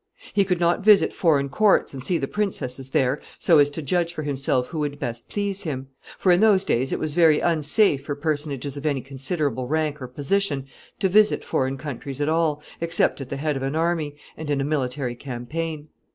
He could not visit foreign courts and see the princesses there, so as to judge for himself who would best please him; for in those days it was very unsafe for personages of any considerable rank or position to visit foreign countries at all, except at the head of an army, and in a military campaign.